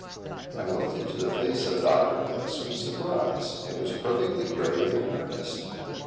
I looked into the face of Dr. S with surprise; it was perfectly grave and earnest.